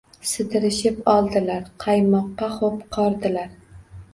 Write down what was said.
Sidirishib oldilar, qaymoqqa xo’p qordilar